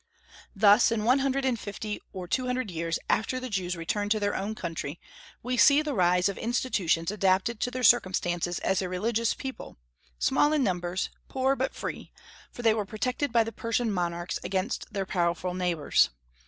Thus in one hundred and fifty or two hundred years after the Jews returned to their own country, we see the rise of institutions adapted to their circumstances as a religious people, small in numbers, poor but free, for they were protected by the Persian monarchs against their powerful neighbors.